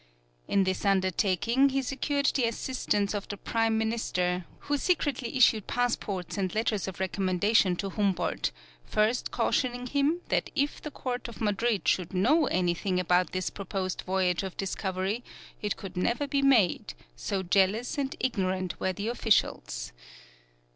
In this undertaking he secured the assistance of the Prime Minister, who secretly issued passports and letters of recommendation to Humboldt, first cautioning him that if the Court of Madrid should know anything about this proposed voyage of discovery it could never be made, so jealous and ignorant were the officials.